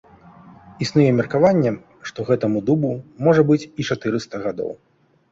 Існуе меркаванне, што гэтаму дубу можа быць і чатырыста гадоў.